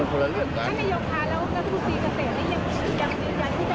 นี่ก็ขอเรื่องไหนแล้วอยากจะช่วยเพิ่มไหมคะ